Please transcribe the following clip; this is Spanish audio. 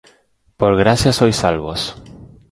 por gracia sois salvos;